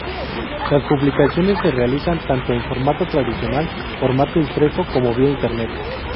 Las publicaciones se realizan tanto en formato tradicional formato impreso, como vía Internet.